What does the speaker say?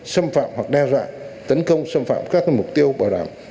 xâm phạm hoặc đe dọa tấn công xâm phạm các mục tiêu bảo đảm